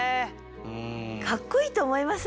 かっこいいと思いません？